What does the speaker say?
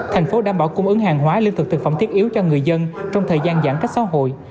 thành phố đảm bảo cung ứng hàng hóa lương thực thực phẩm thiết yếu cho người dân trong thời gian giãn cách xã hội